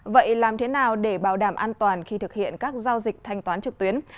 vậy làm thế nào để bảo đảm an toàn khi thực hiện các giao dịch thanh toán trực tuyến